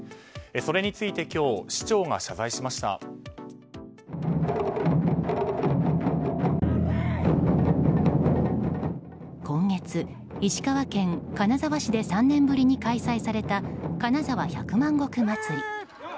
それについて今日、市長が今月、石川県金沢市で３年ぶりに開催された金沢百万石まつり。